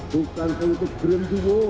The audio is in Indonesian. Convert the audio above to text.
bukan seutup gerunduwo